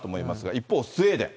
一方、スウェーデン。